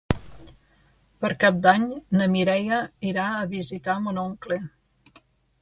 Per Cap d'Any na Mireia irà a visitar mon oncle.